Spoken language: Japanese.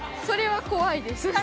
それは怖いです。